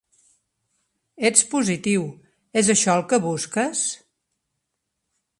Ets positiu, és això el que busques?